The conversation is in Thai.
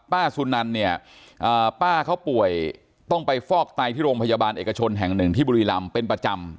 สุนันเนี่ยป้าเขาป่วยต้องไปฟอกไตที่โรงพยาบาลเอกชนแห่งหนึ่งที่บุรีรำเป็นประจำ